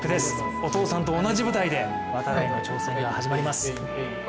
お父さんと同じ舞台で、度会の挑戦が始まります。